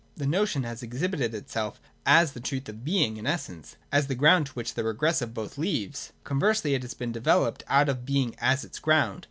The Notion has exhibited itself as the truth of Being and Essence, as the ground to which the regress of both leads. Conversely it has been developed out of being as its ground.